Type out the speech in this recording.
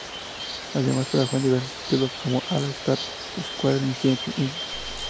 Además trabajó en diversos títulos como "All-Star Squadron", "Infinity Inc.